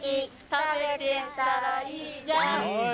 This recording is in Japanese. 「食べてったらいいじゃん」